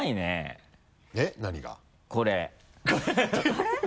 あれ？